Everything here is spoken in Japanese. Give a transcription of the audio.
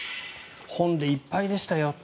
本でいっぱいでしたよと。